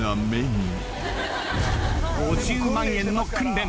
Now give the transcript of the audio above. ５０万円の訓練。